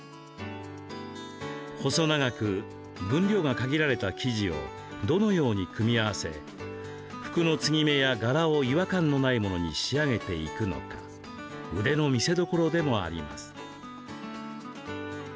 細長く分量が限られた生地をどのように組み合わせ服の継ぎ目や柄を違和感のないものに仕上げていくのか腕の見せどころでもあります。